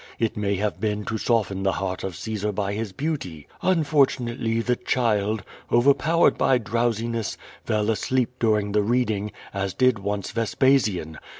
It may have been to soften the heart of Caesar by his beauty. Unfortunately the child, overpowered by drowsiness, fell asleep during the reading, as did once Vespasian.